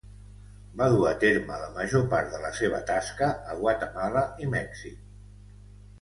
Va dur a terme la major part de la seva tasca a Guatemala i Mèxic.